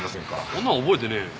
そんなの覚えてねえよ。